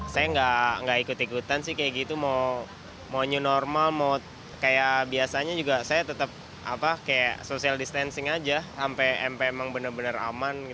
saya nggak ikut ikutan sih kayak gitu mau new normal mau kayak biasanya juga saya tetap kayak social distancing aja sampai emang bener bener aman